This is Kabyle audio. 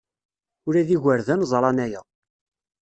Ula d igerdan ẓran aya.